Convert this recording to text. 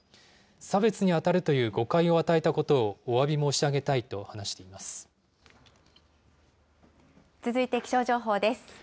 差別に当たるという誤解を与えたことをおわび申し上げたいと話し続いて気象情報です。